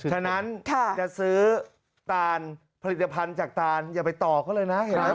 ฉะนั้นจะซื้อตาลผลิตภัณฑ์จากตานอย่าไปต่อเขาเลยนะเห็นไหม